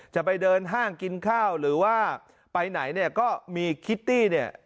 จะไปเดินห้างกินข้าวหรือว่าไปไหนเนี่ยก็มีคิตตี้เนี่ย